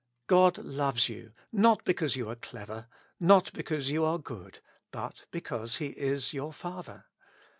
God loves you not because you are clever, not because you are good, but because He is your Father.